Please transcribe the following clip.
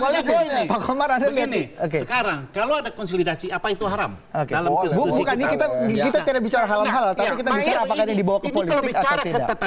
sekarang kalau ada konsolidasi apa itu haram kita bisa hal hal tapi kita bisa dibawa ke